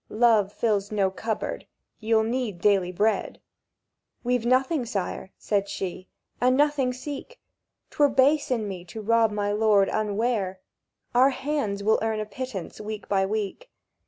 Love fills no cupboard. You'll need daily bread." "We've nothing, sire," said she; "and nothing seek. 'Twere base in me to rob my lord unware; Our hands will earn a pittance week by week."